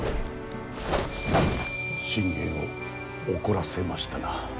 信玄を怒らせましたな。